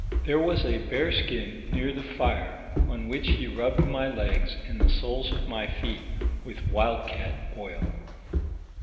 There was a bearskin near the fire, on which he rubbed my legs and the soles of my feet with \^'ild cat oil.